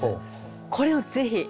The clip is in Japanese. これをぜひ！